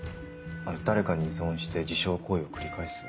誰かに依存して自傷行為を繰り返す？